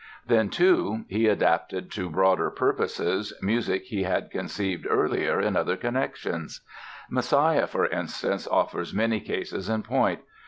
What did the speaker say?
Then, too, he adapted to broader purposes music he had conceived earlier in other connections. "Messiah", for instance, offers many cases in point.